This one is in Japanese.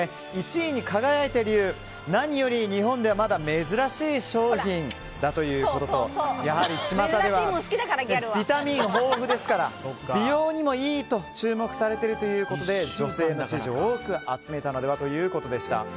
１位に輝いた理由何より、日本でまだ珍しい商品だということとやはり、巷ではビタミン豊富ですから美容にもいいと注目されているということで女性の支持を多く集めたのではということでした。